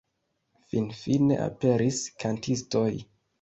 Finfine aperis kantistoj.